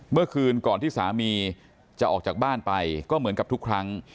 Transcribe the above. เมื่อคืนก่อนที่สามีจะออกจากบ้านไปก็เหมือนกับทุกครั้ง